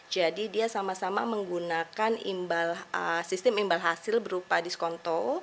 karena dia sama sama menggunakan sistem imbal hasil berupa diskonto